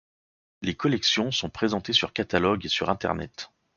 Les collections sont présentées sur catalogues et sur internet.